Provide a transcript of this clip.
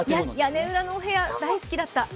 屋根裏のお部屋大好きだった。